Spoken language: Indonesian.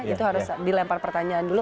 itu harus dilempar pertanyaan dulu